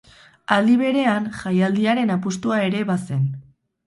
Aldi berean, jaialdiaren apustua ere bazen.